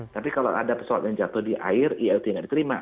tapi kalau ada pesawat yang jatuh di air ilt nggak diterima